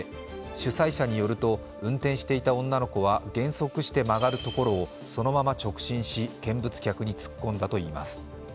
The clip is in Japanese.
主催者によると運転していた女の子は、減速して曲がるところをそのまま直進し見物客に突っ込んだといいます。